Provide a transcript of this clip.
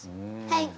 はい！